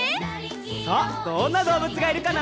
さあどんなどうぶつがいるかな？